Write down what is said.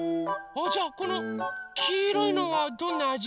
あじゃあこのきいろいのはどんなあじ？